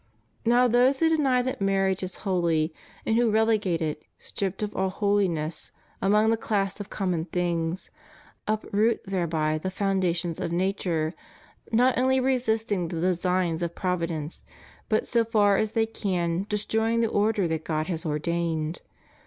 Now those who deny that marriage is holy, and who relegate it, stripped of all holiness, among the class of common things, uproot thereby the foundations of nature, not only resisting the designs of Providence, but, so far as they can, destroying the order that God has ordained.